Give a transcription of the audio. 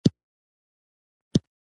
په خپله خاوره کې فعالیتونه کوم.